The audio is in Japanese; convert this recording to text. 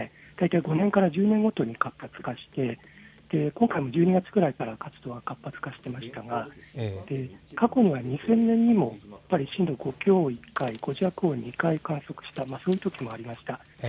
５年から１０年ごとに活発化して今月も１２月ごろから活発化していますが過去には２０００年にもやっぱり震度５強を１回、５弱を２回、観測したときもありました。